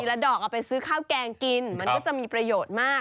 แล้วดอกเอาไปซื้อข้าวแกงกินมันก็จะมีประโยชน์มาก